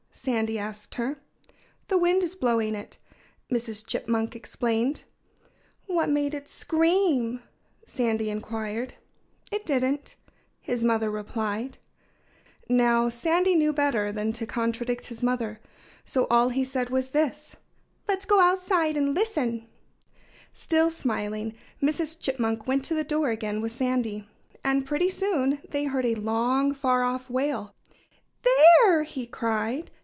Sandy asked her. "The wind is blowing it," Mrs. Chipmunk explained. "What made it scream?" Sandy inquired. "It didn't," his mother replied. [Illustration: Mrs. Chipmunk Went to the Door with Sandy] Now, Sandy Chipmunk knew better than to contradict his mother. So all he said was this: "Let's go outside and listen!" Still smiling, Mrs. Chipmunk went to the door again with Sandy. And pretty soon they heard a long, far off wail. "There!" he cried.